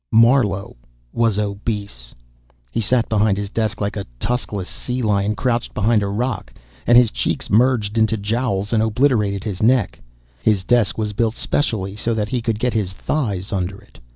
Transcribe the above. Marlowe was obese. He sat behind his desk like a tuskless sea lion crouched behind a rock, and his cheeks merged into jowls and obliterated his neck. His desk was built specially, so that he could get his thighs under it.